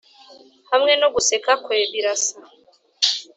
hamwe no guseka kwe birasa!